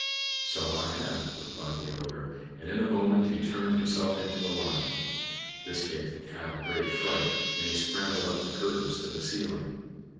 "So I have," replied the Ogre, and in a moment he turned himself into a lion. This gave the Cat a great fright, and he scrambled up the curtains to the ceiling.